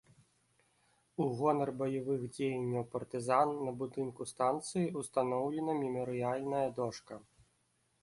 У гонар баявых дзеянняў партызан на будынку станцыі ўстаноўлена мемарыяльная дошка.